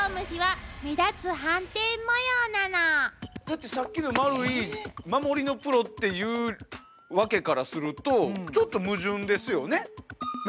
だってさっきの丸い守りのプロっていうワケからするとちょっと矛盾ですよね。